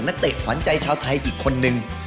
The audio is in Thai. เตะขวัญใจชาวไทยอีกคนนึง